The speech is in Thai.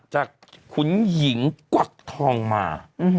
ขุนหญิงกวักทองมา